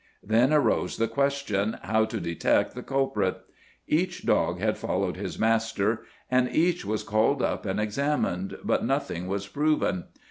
Then arose the question, how to detect the culprit? Each dog had followed his master and each was called up and examined, but nothing was proven.